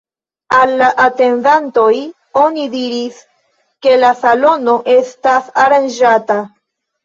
Al la atendantoj oni diris, ke la salono estas aranĝata.